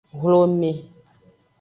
Hlome.